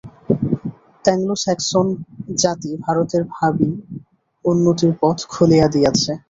Anglo-Saxon জাতি ভারতের ভাবী উন্নতির পথ খুলিয়া দিয়াছে।